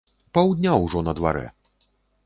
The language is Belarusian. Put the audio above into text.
Паўдня ўжо на дварэ!